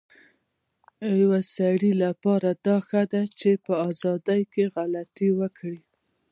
يو سړي لپاره دا ښه ده چي په ازادی کي غلطي وکړی